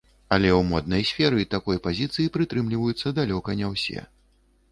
Але ў моднай сферы такой пазіцыі прытрымліваюцца далёка не ўсе.